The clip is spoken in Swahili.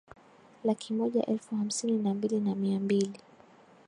laki moja elfu hamsini na mbili na mia mbili